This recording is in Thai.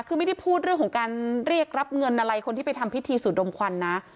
คือไม่ได้พูดเรื่องของการเรียกรับเงินอะไรคนที่ไปทำพิธีสูดมควันนะ